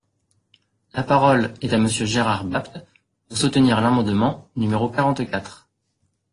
La parole est à Monsieur Gérard Bapt, pour soutenir l’amendement numéro quarante-quatre.